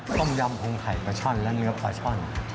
ต้มยำพงไข่ปลาช่อนและเนื้อปลาช่อน